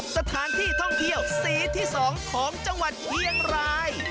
สถานที่ท่องเที่ยวสีที่๒ของจังหวัดเชียงราย